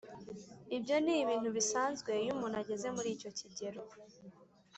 Ibyo ni ibintu bisanzwe iyo umuntu ageze muri icyo kigero